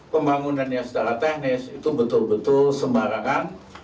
pembangunannya secara teknis itu betul betul sembarangan